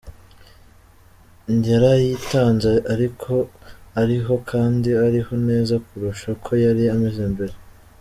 Yarayitanze aliko ariho, kandi ariho neza kurusha uko yari ameze mbere.